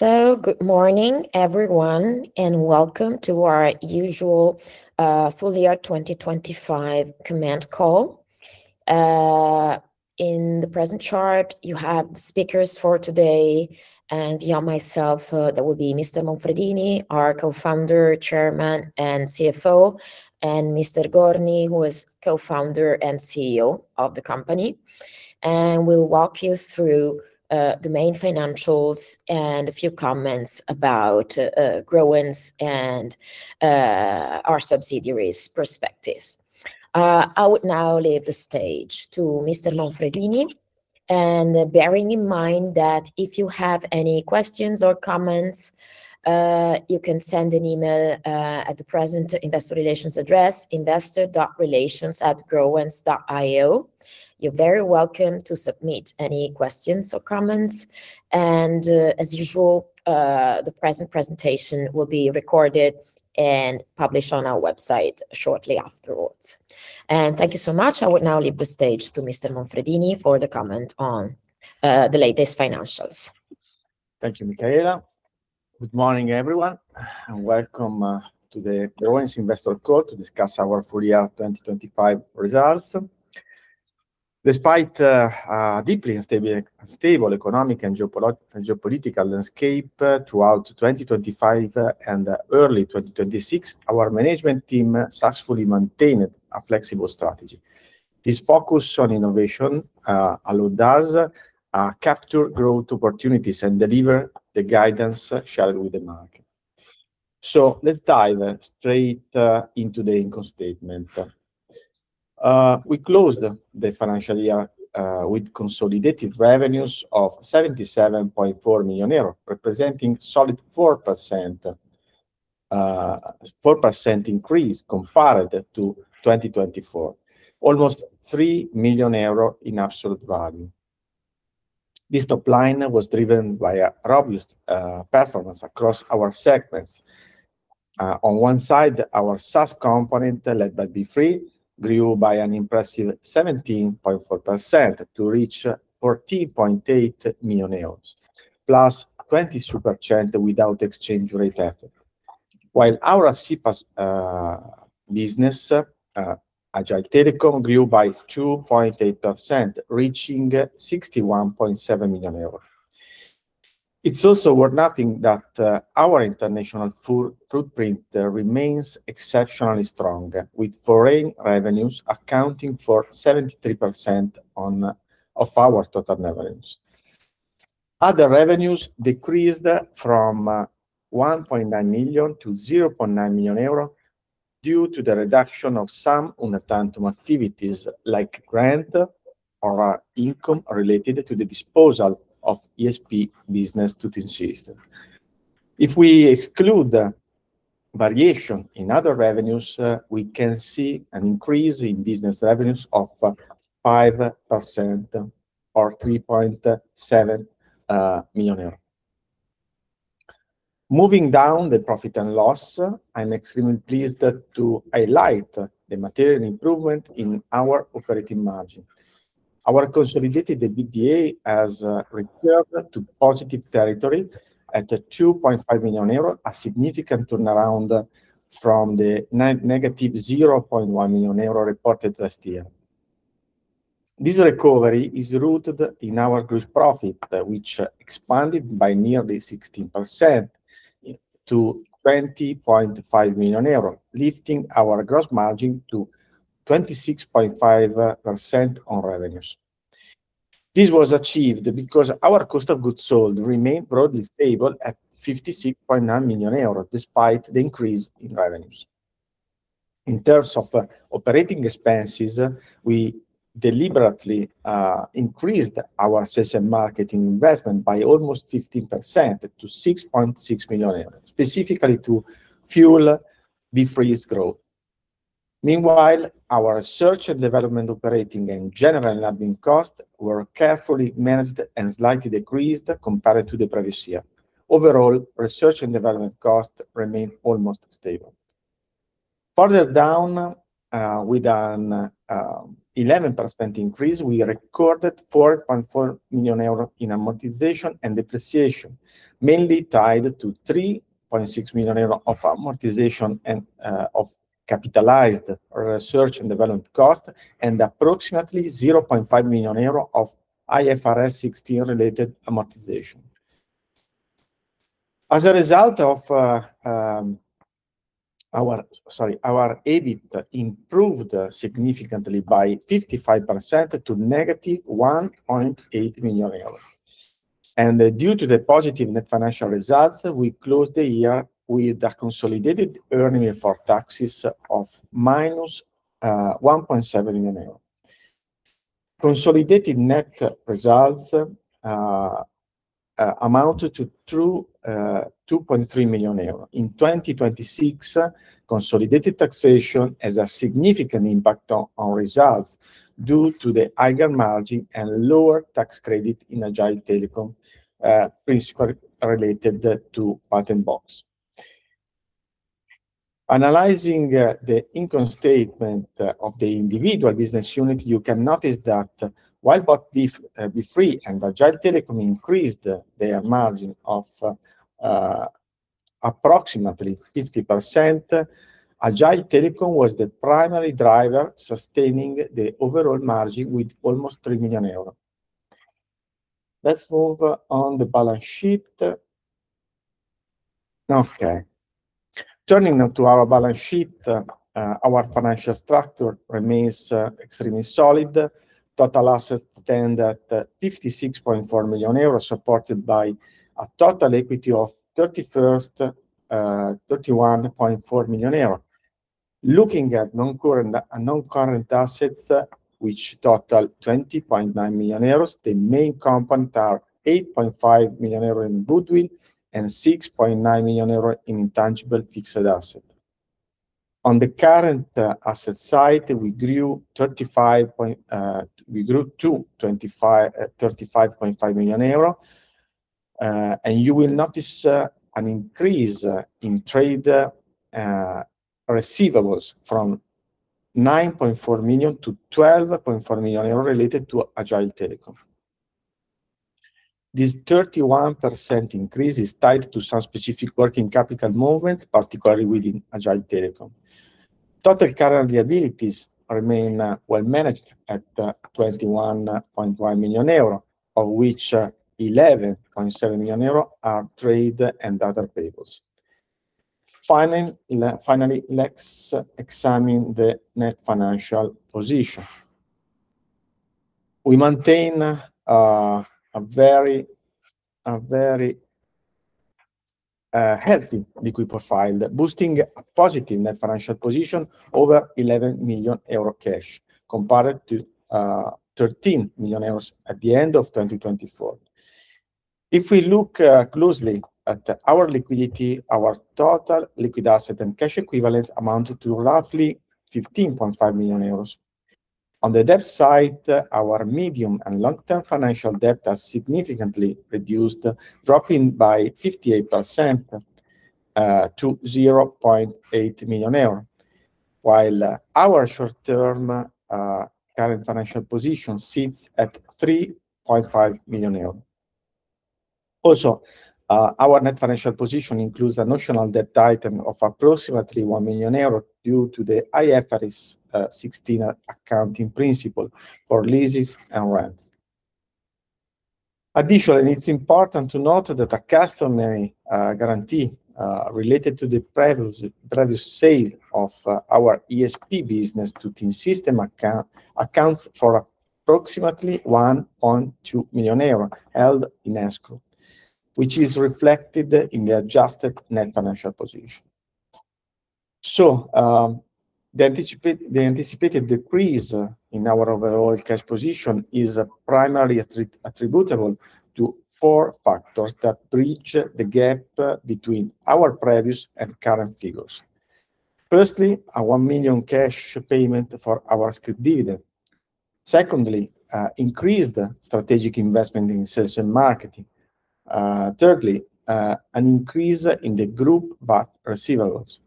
Good morning everyone, and welcome to our usual full year 2025 earnings call. In the presentation, you have the speakers for today, and beyond myself, there will be Mr. Monfredini, our Co-Founder, Chairman, and CFO, and Mr. Gorni, who is Co-Founder and CEO of the company. We'll walk you through the main financials and a few comments about Growens and our subsidiaries' perspectives. I would now leave the stage to Mr. Monfredini, and bearing in mind that if you have any questions or comments, you can send an email to our investor relations address, investor.relations@growens.io. You're very welcome to submit any questions or comments. As usual, this presentation will be recorded and published on our website shortly afterwards. Thank you so much. I would now leave the stage to Mr. Monfredini for the comment on the latest financials. Thank you, Micaela. Good morning, everyone, and welcome to the Growens Investor Call to discuss our full year 2025 results. Despite a deeply unstable economic and geopolitical landscape throughout 2025 and early 2026, our management team successfully maintained a flexible strategy. This focus on innovation allowed us capture growth opportunities and deliver the guidance shared with the market. Let's dive straight into the income statement. We closed the financial year with consolidated revenues of 77.4 million euros, representing solid 4% increase compared to 2024, almost 3 million euros in absolute value. This top line was driven by a robust performance across our segments. On one side, our SaaS component, led by Beefree, grew by an impressive 17.4% to reach 14.8 million euros, +22% without exchange rate effect. While our CPaaS business, Agile Telecom, grew by 2.8%, reaching 61.7 million euros. It's also worth noting that our international footprint remains exceptionally strong, with foreign revenues accounting for 73% of our total revenues. Other revenues decreased from 1.9 million to 0.9 million euro due to the reduction of some one-time activities like grant or income related to the disposal of ESP business to TeamSystem. If we exclude the variation in other revenues, we can see an increase in business revenues of 5% or 3.7 million euro. Moving down the profit and loss, I'm extremely pleased to highlight the material improvement in our operating margin. Our consolidated EBITDA has recovered to positive territory at the 2.5 million euro, a significant turnaround from the negative 0.1 million euro reported last year. This recovery is rooted in our gross profit, which expanded by nearly 16% to 20.5 million euros, lifting our gross margin to 26.5% on revenues. This was achieved because our cost of goods sold remained broadly stable at 56.9 million euros, despite the increase in revenues. In terms of operating expenses, we deliberately increased our sales and marketing investment by almost 15% to 6.6 million euros, specifically to fuel Beefree's growth. Meanwhile, our research and development operating and general admin costs were carefully managed and slightly decreased compared to the previous year. Overall, research and development costs remained almost stable. Further down, with an 11% increase, we recorded 4.4 million euros in amortization and depreciation, mainly tied to 3.6 million euros of amortization of capitalized research and development cost, and approximately 0.5 million euro of IFRS 16 related amortization. As a result of our EBIT improved significantly by 55% to -1.8 million euros. Due to the positive net financial results, we closed the year with a consolidated earnings before taxes of -1.7 million euro. Consolidated net results amounted to 2.3 million euro. In 2026, consolidated taxation has a significant impact on results due to the higher margin and lower tax credit in Agile Telecom, principally related to Patent Box. Analyzing the income statement of the individual business unit, you can notice that while both Beefree and Agile Telecom increased their margin of approximately 50%, Agile Telecom was the primary driver sustaining the overall margin with almost 3 million euros. Let's move on the balance sheet. Turning now to our balance sheet, our financial structure remains extremely solid. Total assets stand at 56.4 million euros, supported by a total equity of 31.4 million euros. Looking at non-current assets, which total 20.9 million euros, the main component are 8.5 million euros in goodwill and 6.9 million euros in intangible fixed asset. On the current assets side, we grew to 35.5 million euro. You will notice an increase in trade receivables from 9.4 million to 12.4 million euro related to Agile Telecom. This 31% increase is tied to some specific working capital movements, particularly within Agile Telecom. Total current liabilities remain well managed at 21.1 million euro, of which 11.7 million euro are trade and other payables. Finally, let's examine the net financial position. We maintain a very healthy liquidity profile, boasting a positive net financial position over 11 million euro cash compared to 13 million euros at the end of 2024. If we look closely at our liquidity, our total liquid asset and cash equivalents amounted to roughly 15.5 million euros. On the debt side, our medium and long-term financial debt has significantly reduced, dropping by 58%, to 0.8 million euro. While our short-term current financial position sits at 3.5 million euros. Also, our net financial position includes a notional debt item of approximately 1 million euro due to the IFRS 16 accounting principle for leases and rents. Additionally, it's important to note that a customary guarantee related to the previous sale of our ESP business to TeamSystem accounts for approximately 1.2 million euros held in escrow, which is reflected in the adjusted net financial position. The anticipated decrease in our overall cash position is primarily attributable to four factors that bridge the gap between our previous and current figures. Firstly, a 1 million cash payment for our scrip dividend. Secondly, increased strategic investment in sales and marketing. Thirdly, an increase in the group VAT receivables.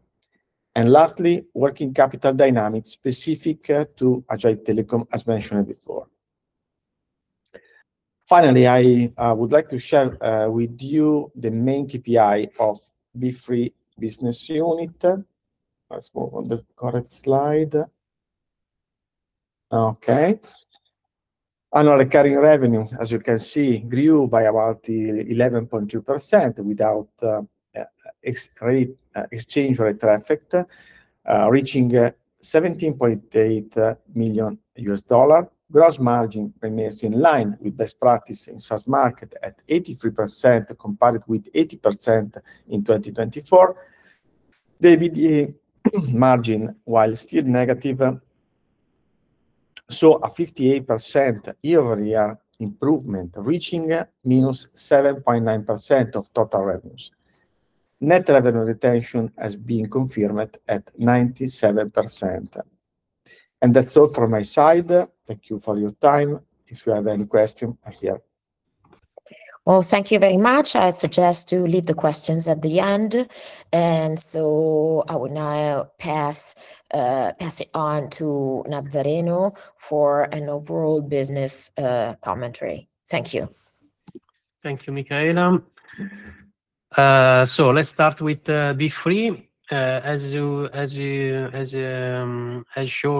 Lastly, working capital dynamics specific to Agile Telecom, as mentioned before. Finally, I would like to share with you the main KPI of Beefree business unit. Let's move on the current slide. Okay. Annual recurring revenue, as you can see, grew by about 11.2% without exchange rate effect, reaching $17.8 million. Gross margin remains in line with best practice in SaaS market at 83% compared with 80% in 2024. The EBITDA margin, while still negative, saw a 58% year-over-year improvement, reaching -7.9% of total revenues. Net revenue retention has been confirmed at 97%. That's all from my side. Thank you for your time. If you have any question, I'm here. Well, thank you very much. I suggest to leave the questions at the end. I will now pass it on to Nazzareno for an overall business commentary. Thank you. Thank you, Micaela. Let's start with Beefree. As shown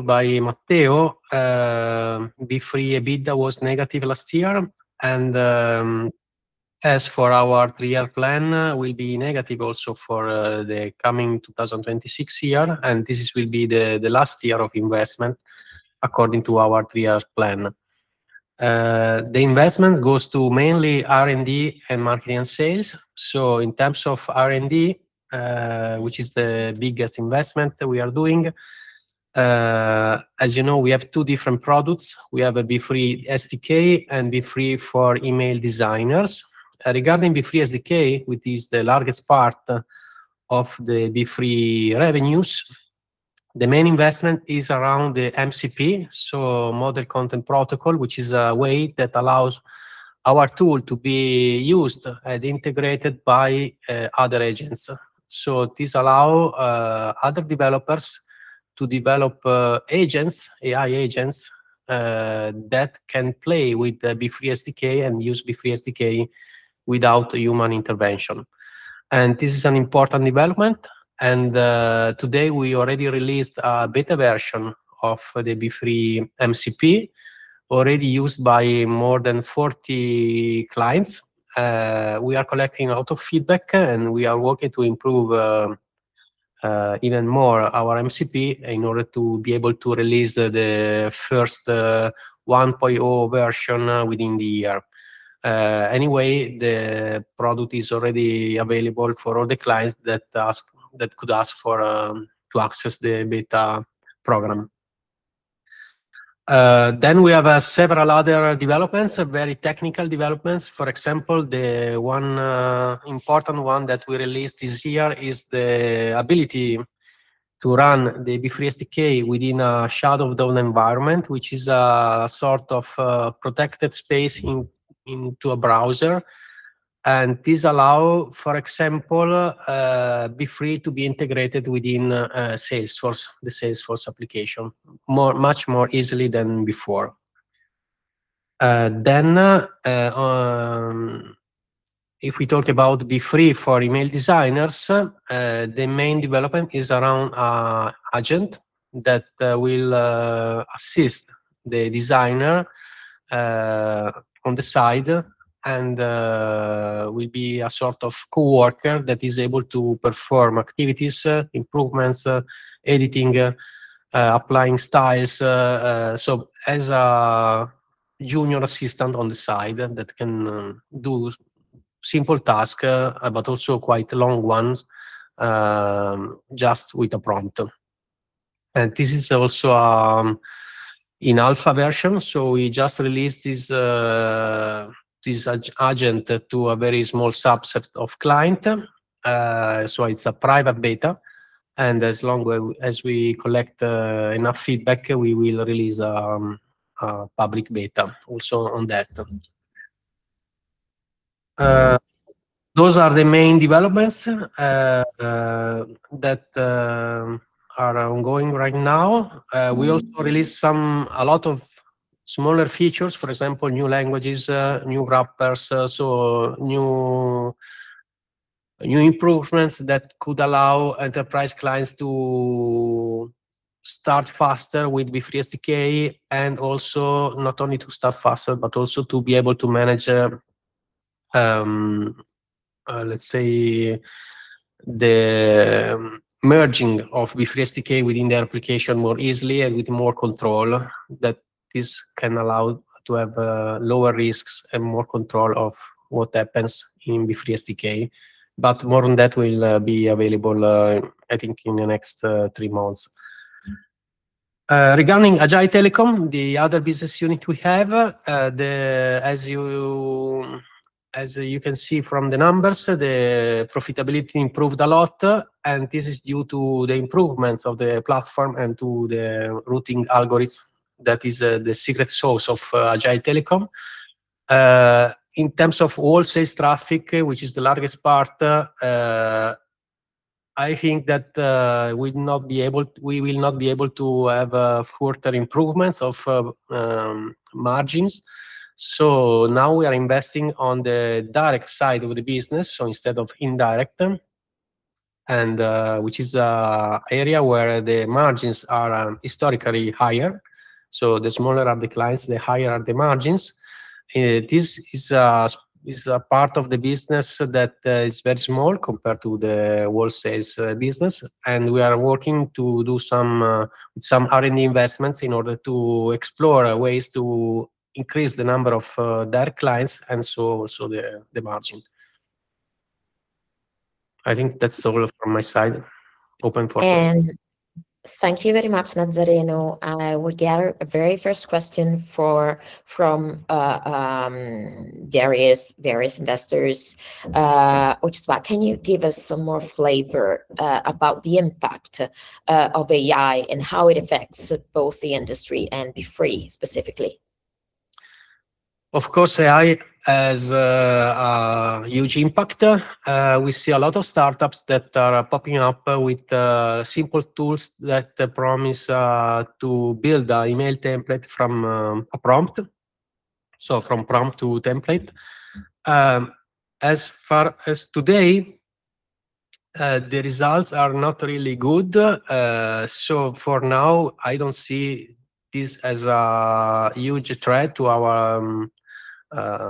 by Matteo, Beefree EBITDA was negative last year. As for our three-year plan, it will be negative also for the coming 2026 year, and this will be the last year of investment according to our three-year plan. The investment goes to mainly R&D and marketing and sales. In terms of R&D, which is the biggest investment that we are doing, as you know, we have two different products. We have a Beefree SDK and Beefree for email designers. Regarding Beefree SDK, which is the largest part of the Beefree revenues. The main investment is around the MCP, Model Context Protocol, which is a way that allows our tool to be used and integrated by other agents. This allows other developers to develop agents, AI agents, that can play with the Beefree SDK and use Beefree SDK without human intervention. This is an important development. Today we already released a beta version of the Beefree MCP already used by more than 40 clients. We are collecting a lot of feedback, and we are working to improve even more our MCP in order to be able to release the first 1.0 version within the year. Anyway, the product is already available for all the clients that ask to access the beta program. We have several other developments, very technical developments. For example, the one important one that we released this year is the ability to run the Beefree SDK within a Shadow DOM environment, which is a sort of protected space into a browser. This allow, for example, Beefree to be integrated within Salesforce, the Salesforce application much more easily than before. If we talk about Beefree for email designers, the main development is around agent that will assist the designer on the side and will be a sort of coworker that is able to perform activities, improvements, editing, applying styles. So as a junior assistant on the side that can do simple task, but also quite long ones, just with a prompt. This is also in alpha version, so we just released this AI agent to a very small subset of client. So it's a private beta, and as we collect enough feedback, we will release public beta also on that. Those are the main developments that are ongoing right now. We also released some, a lot of smaller features, for example, new languages, new wrappers, so new improvements that could allow enterprise clients to start faster with Beefree SDK, and also not only to start faster, but also to be able to manage, let's say the merging of Beefree SDK within their application more easily and with more control, that this can allow to have lower risks and more control of what happens in Beefree SDK. More on that will be available, I think in the next three months. Regarding Agile Telecom, the other business unit we have, as you can see from the numbers, the profitability improved a lot, and this is due to the improvements of the platform and to the routing algorithms that is the secret sauce of Agile Telecom. In terms of wholesale traffic, which is the largest part, I think that we will not be able to have further improvements of margins. Now we are investing on the direct side of the business, so instead of indirect, and which is area where the margins are historically higher. The smaller are the clients, the higher are the margins. This is a part of the business that is very small compared to the wholesale business. We are working to do some R&D investments in order to explore ways to increase the number of direct clients and so the margin. I think that's all from my side. Open for questions. Thank you very much, Nazzareno. We have the very first question from various investors, which is, what can you give us some more flavor about the impact of AI and how it affects both the industry and Beefree specifically? Of course, AI has a huge impact. We see a lot of startups that are popping up with simple tools that promise to build an email template from a prompt, so from prompt to template. As of today, the results are not really good. For now, I don't see this as a huge threat to our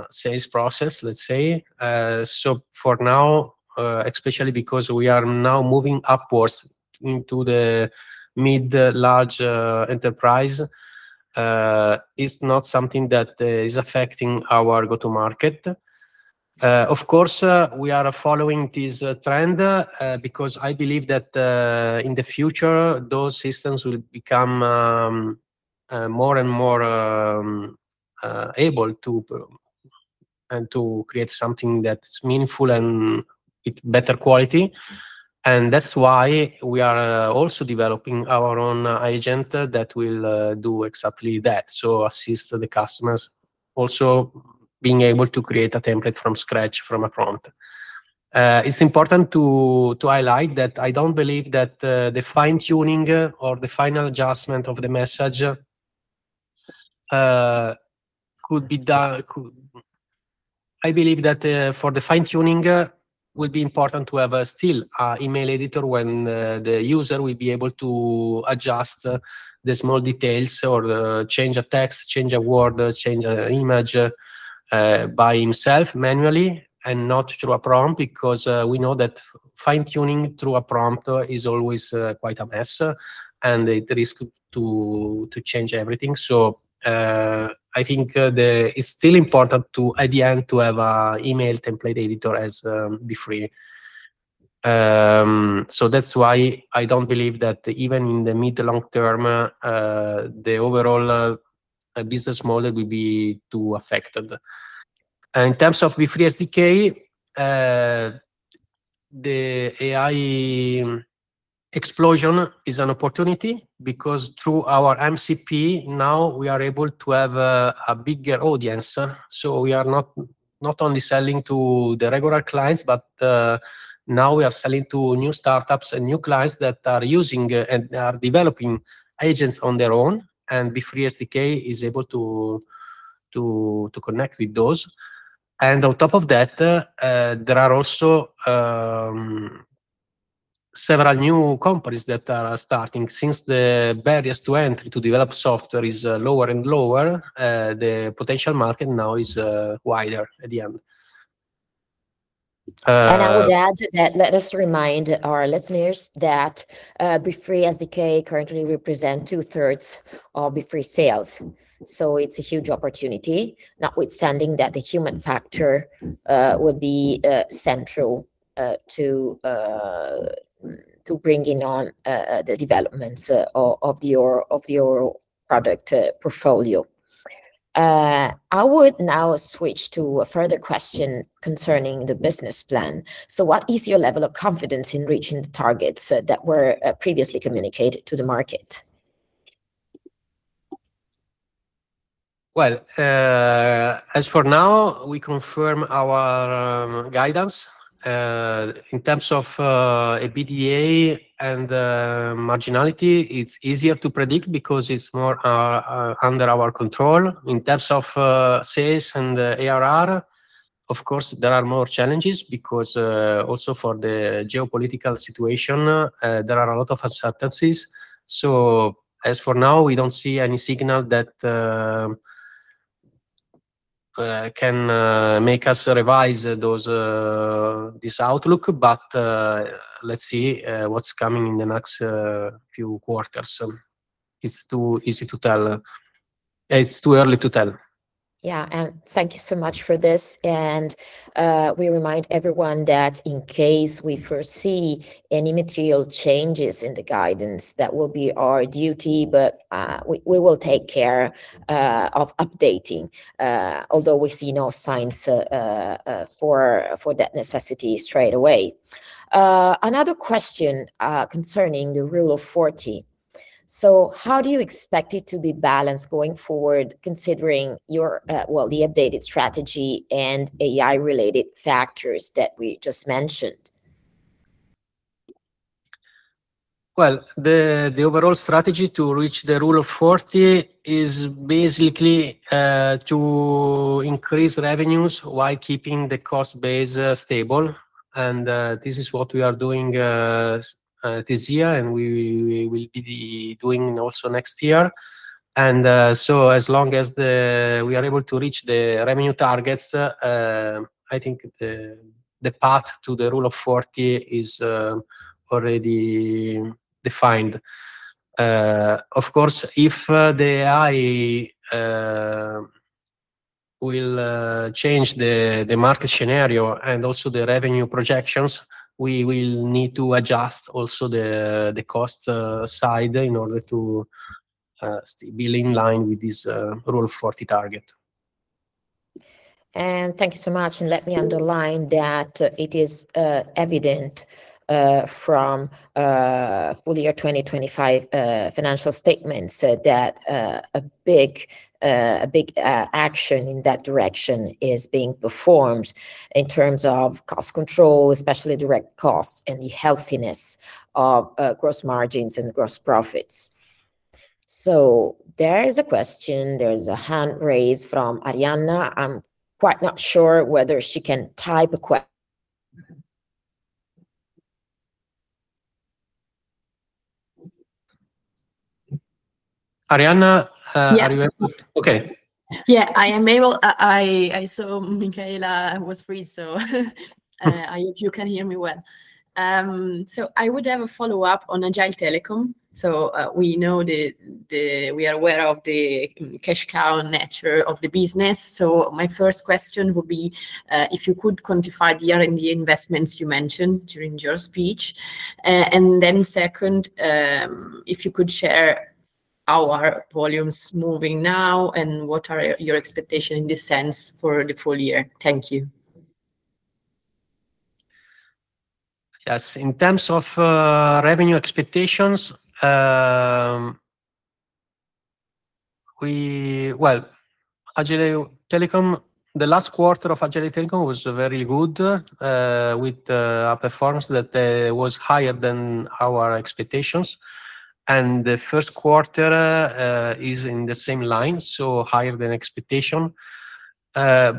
sales process, let's say. For now, especially because we are now moving upwards into the mid-large enterprise, it's not something that is affecting our go-to-market. Of course, we are following this trend because I believe that in the future, those systems will become more and more able to produce and create something that's meaningful and better quality. That's why we are also developing our own agent that will do exactly that, so assist the customers also being able to create a template from scratch from a prompt. It's important to highlight that I don't believe that the fine-tuning or the final adjustment of the message could be done. I believe that for the fine-tuning will be important to have a visual email editor when the user will be able to adjust the small details or change a text, change a word, change an image by himself manually and not through a prompt because we know that fine-tuning through a prompt is always quite a mess, and the risk to change everything. I think the It's still important to, at the end, to have an email template editor as Beefree. That's why I don't believe that even in the mid to long term, the overall business model will be too affected. In terms of Beefree SDK, the AI explosion is an opportunity because through our MCP now we are able to have a bigger audience. We are not only selling to the regular clients, but now we are selling to new startups and new clients that are using and are developing agents on their own, and Beefree SDK is able to connect with those. On top of that, there are also several new companies that are starting. Since the barriers to entry to develop software is lower and lower, the potential market now is wider at the end. I would add that let us remind our listeners that Beefree SDK currently represent two-thirds of Beefree sales. It's a huge opportunity, notwithstanding that the human factor will be central to bringing on the developments of your product portfolio. I would now switch to a further question concerning the business plan. What is your level of confidence in reaching the targets that were previously communicated to the market? Well, as for now, we confirm our guidance. In terms of EBITDA and marginality, it's easier to predict because it's more under our control. In terms of sales and ARR, of course, there are more challenges because also for the geopolitical situation, there are a lot of uncertainties. As for now, we don't see any signal that can make us revise this outlook. Let's see what's coming in the next few quarters. It's too early to tell. Yeah. Thank you so much for this. We remind everyone that in case we foresee any material changes in the guidance, that will be our duty, but we will take care of updating, although we see no signs for that necessity straight away. Another question concerning the Rule of 40. How do you expect it to be balanced going forward, considering your well, the updated strategy and AI-related factors that we just mentioned? Well, the overall strategy to reach the Rule of 40 is basically to increase revenues while keeping the cost base stable. This is what we are doing this year, and we will be doing also next year. So as long as we are able to reach the revenue targets, I think the path to the Rule of 40 is already defined. Of course, if the AI will change the market scenario and also the revenue projections, we will need to adjust also the cost side in order to be in line with this Rule of 40 target. Thank you so much, and let me underline that it is evident from full year 2025 financial statements that a big action in that direction is being performed in terms of cost control, especially direct costs and the healthiness of gross margins and gross profits. There is a question, there is a hand raised from Arianna. I'm quite not sure whether she can type a que- Arianna Yeah. Okay. Yeah, I am able. I saw Micaela was free, so if you can hear me well. I would have a follow-up on Agile Telecom. We are aware of the cash cow nature of the business. My first question would be if you could quantify the R&D investments you mentioned during your speech. And then second, if you could share how are volumes moving now, and what are your expectation in this sense for the full year? Thank you. Yes. In terms of revenue expectations, Well, Agile Telecom, the last quarter of Agile Telecom was very good, with a performance that was higher than our expectations. The first quarter is in the same line, so higher than expectation. I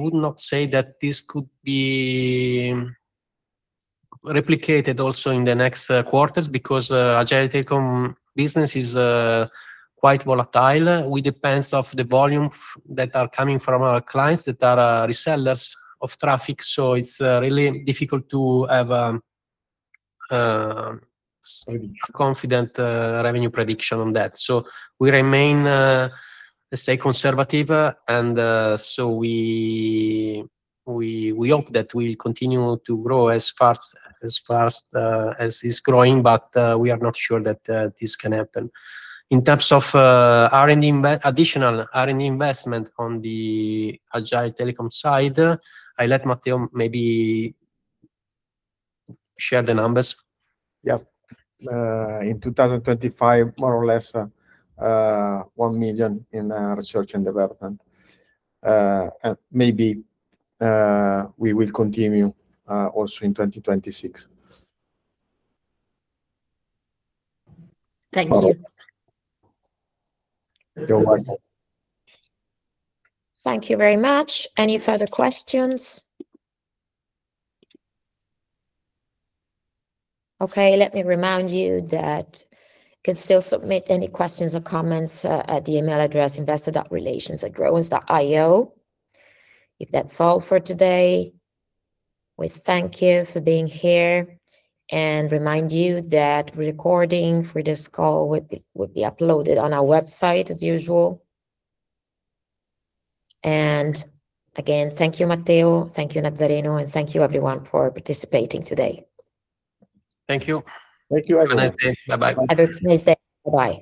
would not say that this could be replicated also in the next quarters because Agile Telecom business is quite volatile. We depend on the volumes that are coming from our clients that are resellers of traffic. It's really difficult to have a confident revenue prediction on that. We remain, let's say, conservative. We hope that we continue to grow as fast as it's growing, but we are not sure that this can happen. In terms of R&D additional R&D investment on the Agile Telecom side, I let Matteo maybe share the numbers. Yeah. In 2025, more or less, 1 million in research and development. Maybe we will continue also in 2026. Thank you. You're welcome. Thank you very much. Any further questions? Okay. Let me remind you that you can still submit any questions or comments at the email address, investor.relations@growens.io. If that's all for today, we thank you for being here and remind you that recording for this call will be uploaded on our website as usual. Again, thank you, Matteo, thank you, Nazzareno, and thank you everyone for participating today. Thank you. Thank you, everyone. Have a nice day. Bye-bye. Have a nice day. Bye-bye.